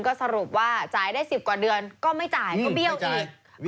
ก็สรุปว่าจ่ายได้๑๐กว่าเดือนก็ไม่จ่ายก็เบี้ยวอีก